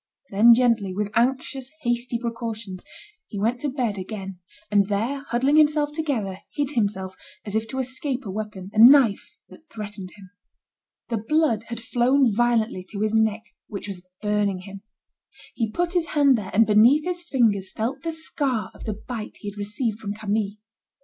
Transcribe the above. Then gently, with anxious, hasty precautions, he went to bed again, and there huddling himself together, hid himself, as if to escape a weapon, a knife that threatened him. The blood had flown violently to his neck, which was burning him. He put his hand there, and beneath his fingers felt the scar of the bite he had received from Camille.